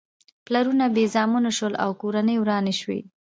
پلرونه بې زامنو شول او کورنۍ ورانې شوې.